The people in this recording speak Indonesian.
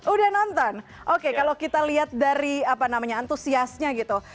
udah nonton oke kalau kita lihat dari apa namanya antusiasnya gitu